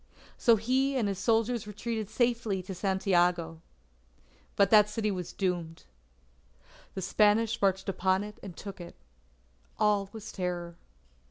So he and his soldiers retreated in safety to Santiago. But that city was doomed. The Spanish marched upon it and took it. All was terror.